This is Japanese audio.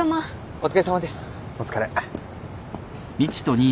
お疲れ。